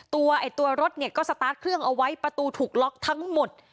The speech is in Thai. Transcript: ตัวรถเนี่ยก็สตาร์ทเครื่องเอาไว้ประตูถูกล็อกทั้งหมด